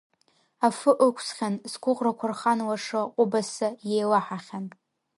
Афы ықәсхьан, сгәыӷрақәа рхан лаша ҟәыбаса иеилаҳахьан…